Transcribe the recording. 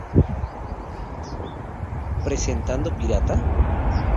Presentando Pirata?